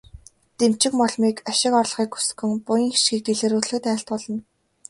Дэмчигмоломыг ашиг орлогыг өсгөн, буян хишгийг дэлгэрүүлэхэд айлтгуулна.